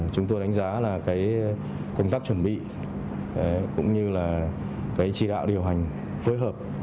chúng tôi đánh giá công tác chuẩn bị cũng như trì đạo điều hành phối hợp